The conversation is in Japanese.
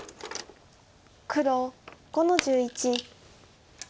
黒５の十一。